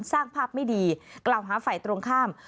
สร้างภาพไม่ดีกล่าวหาฝ่ายตรงข้าม